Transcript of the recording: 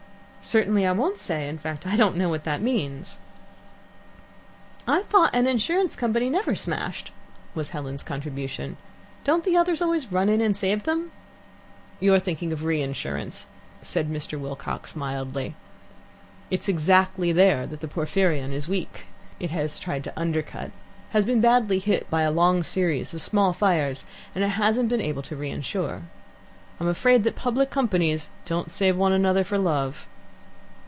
"Certainly I won't say. In fact, I don't know what that means." "I thought an insurance company never smashed," was Helen's contribution. "Don't the others always run in and save them?" "You're thinking of reinsurance," said Mr. Wilcox mildly. "It is exactly there that the Porphyrion is weak. It has tried to undercut, has been badly hit by a long series of small fires, and it hasn't been able to reinsure. I'm afraid that public companies don't save one another for love."